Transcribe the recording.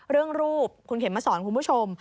เรื่องรูปคุณเข็มมาสอนคุณผู้ชม